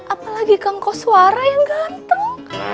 apalagi kangku suara yang ganteng